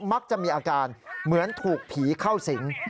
มักจะมีอาการเหมือนถูกผีเข้าสิง